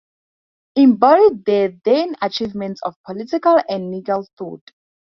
Embodied the then achievements of political and legal thought.